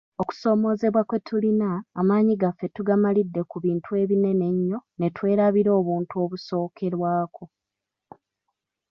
Okusoomoozebwa kwetulina, amaanyi gaffe tugamalidde ku bintu ebinene ennyo netwerabira obuntu obusookerwako.